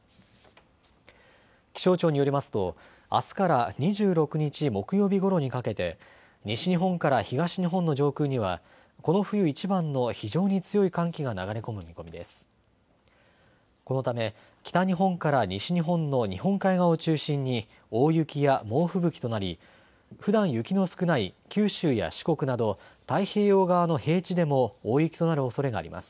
気象庁によりますとあすから２６日木曜日ごろにかけて西日本から東日本の上空にはこの冬いちばんの非常に強い寒気が流れ込む見込みです。